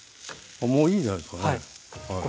もういいんじゃないですかね。